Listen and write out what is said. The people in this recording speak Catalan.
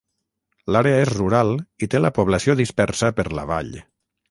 L'àrea és rural i té la població dispersa per la vall.